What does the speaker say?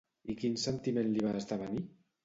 I quin sentiment li va esdevenir?